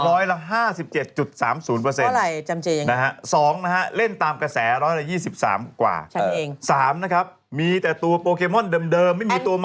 เพราะไหนจำเจอยังไง๒เล่นตามกระแส๑๒๓กว่าฉันเอง๓มีแต่ตัวโปรเคมอนเดิมไม่มีตัวใหม่